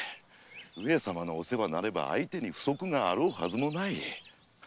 上様のお世話なれば相手に不足があろうはずもない。